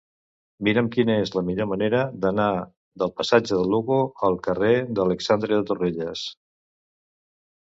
Mira'm quina és la millor manera d'anar del passatge de Lugo al carrer d'Alexandre de Torrelles.